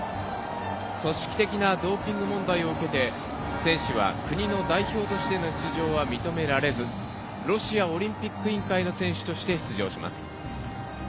組織的なドーピング問題を受けて選手は国の代表としての出場は認められずロシアオリンピック委員会の選手として出場します。